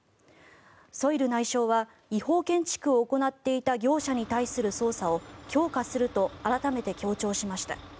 ソイル内相は違法建築を行っていた業者に対する捜査を強化すると改めて強調しました。